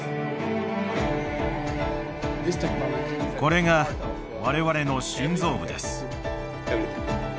これが我々の心臓部です。